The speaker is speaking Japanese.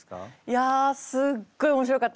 いやすっごい面白かったです。